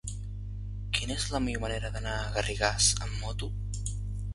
Quina és la millor manera d'anar a Garrigàs amb moto?